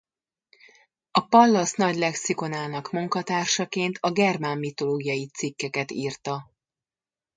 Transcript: A Pallas nagy lexikonának munkatársaként a germán mitológiai cikkeket írta.